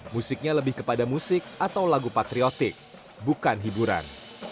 musiknya lebih kepada musik atau lagu patriotik bukan hiburan